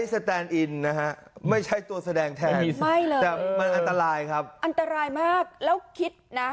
สแตนอินนะฮะไม่ใช่ตัวแสดงแทนเลยแต่มันอันตรายครับอันตรายมากแล้วคิดนะ